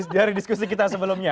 dari diskusi kita sebelumnya